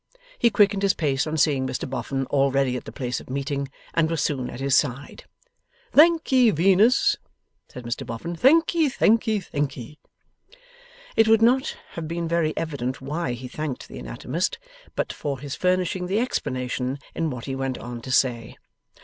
He quickened his pace on seeing Mr Boffin already at the place of meeting, and was soon at his side. 'Thank'ee, Venus,' said Mr Boffin. 'Thank'ee, thank'ee, thank'ee!' It would not have been very evident why he thanked the anatomist, but for his furnishing the explanation in what he went on to say.